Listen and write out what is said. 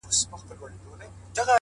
ژوندی انسان و حرکت ته حرکت کوي!!